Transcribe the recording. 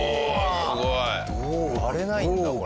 すごい！割れないんだこれ。